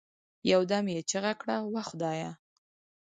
يو دم يې چيغه كړه وه خدايه!